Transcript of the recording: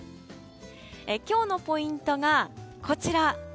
今日のポイントがこちら。